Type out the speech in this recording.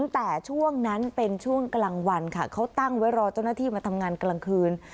แต่ช่วงนั้นเป็นช่วงกลางวันค่ะเขาตั้งไว้รอเจ้าหน้าที่มาทำงานกลางคืน